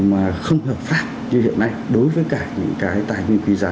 mà không hợp pháp như hiện nay đối với cả những cái tài nguyên quý giá